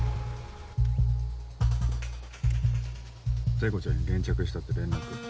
聖子ちゃんに現着したって連絡。